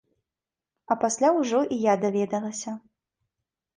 А пасля ўжо і я даведалася.